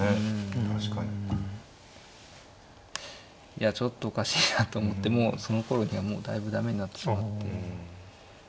いやちょっとおかしいなと思ってもうそのころにはもうだいぶ駄目になってしまって。